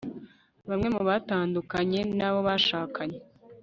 bamwe mu batandukanye n'abo bashakanye